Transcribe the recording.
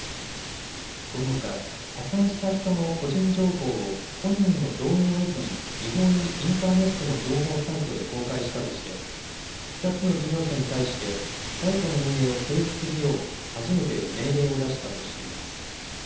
このほか破産した人の個人情報を本人の同意を得ずに違法にインターネットの情報サイトで公開したとして２つの事業者に対してサイトの運営を停止するよう初めて命令を出したとしています。